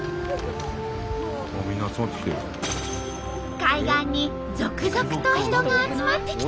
海岸に続々と人が集まってきた。